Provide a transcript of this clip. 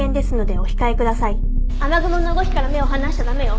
雨雲の動きから目を離しちゃ駄目よ。